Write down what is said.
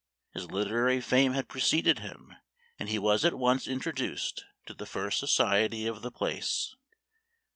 His literary fame had preceded him, and he was at once introduced to the first society of the place.